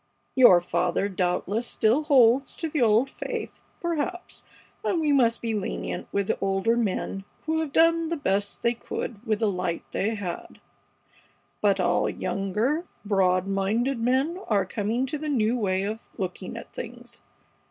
Your father doubtless still holds to the old faith, perhaps, and we must be lenient with the older men who have done the best they could with the light they had; but all younger, broad minded men are coming to the new way of looking at things.